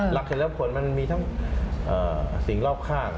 หลักเหตุแล้วผลมันมีทั้งสิ่งรอบข้าง